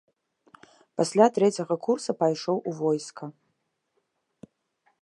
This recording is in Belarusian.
Пасля трэцяга курса пайшоў у войска.